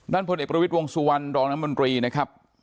ด้านผลเอกประวิทย์วงสุวรรณดรมนตรีนะครับ